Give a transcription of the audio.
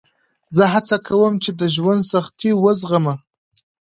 زه هڅه کوم چې د ژوند سختۍ وزغمه.